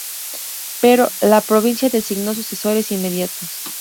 Pero, la provincia designó sucesores inmediatos.